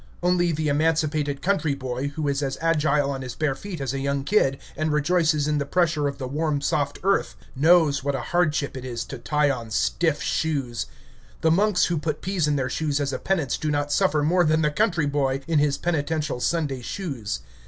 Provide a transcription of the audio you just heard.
Only the emancipated country boy, who is as agile on his bare feet as a young kid, and rejoices in the pressure of the warm soft earth, knows what a hardship it is to tie on stiff shoes. The monks who put peas in their shoes as a penance do not suffer more than the country boy in his penitential Sunday shoes.